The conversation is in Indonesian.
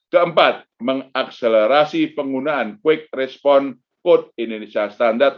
keempat mengakselerasi penggunaan quick response quote indonesia standard